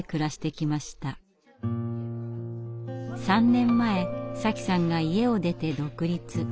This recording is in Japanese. ３年前瑳紀さんが家を出て独立。